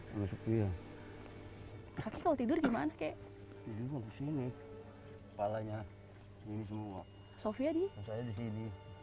hai tapi kalau tidur gimana kek tidur sini palanya ini semua sofia di sini